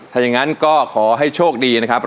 ถ้าอย่างนั้นก็ขอให้โชคดีนะครับ